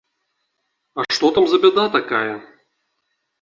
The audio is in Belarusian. А што там за бяда такая?